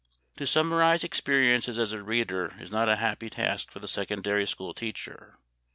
To summarize experiences as a reader is not a happy task for the secondary school teacher.